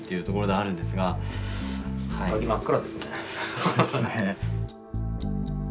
そうですね。